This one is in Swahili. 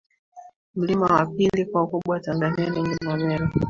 Mlima wa pili kwa ukubwa Tanzania ni Mlima Meru